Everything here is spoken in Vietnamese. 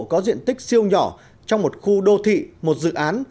có diện tích siêu nhỏ trong một khu đô thị một dự án